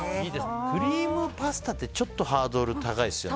クリームパスタってちょっとハードル高いですよね。